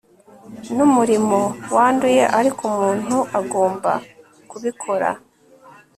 ni umurimo wanduye, ariko umuntu agomba kubikora